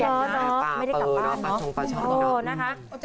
เจ้าเนอะไม่ได้กลับบ้านเนอะโอ้โฮนะคะ